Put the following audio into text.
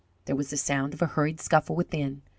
There was the sound of a hurried scuffle within.